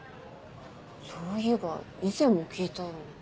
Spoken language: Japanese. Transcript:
そういえば以前も聞いたような。